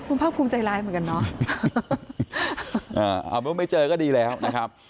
คุณภาคภูมิใจร้ายเหมือนกันเนอะเอาเป็นว่าไม่เจอก็ดีแล้วนะครับ